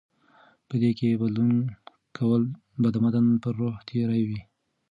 په دې کې بدلون کول به د متن پر روح تېری وي